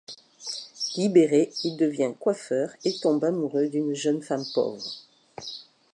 Libéré, il devient coiffeur et tombe amoureux d'une jeune femme pauvre.